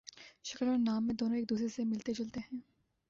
شکل اور نام میں دونوں ایک دوسرے سے ملتے جلتے ہیں